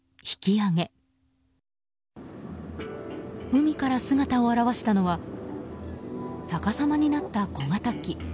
海から姿を現したのは逆さまになった小型機。